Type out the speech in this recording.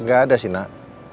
gak ada sih nak